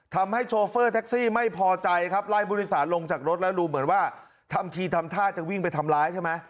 โชเฟอร์แท็กซี่ไม่พอใจครับไล่ผู้โดยสารลงจากรถแล้วดูเหมือนว่าทำทีทำท่าจะวิ่งไปทำร้ายใช่ไหม